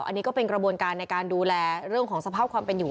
อันนี้ก็เป็นกระบวนการในการดูแลเรื่องของสภาพความเป็นอยู่